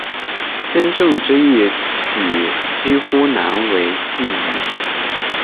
先正之义举几乎难为继矣。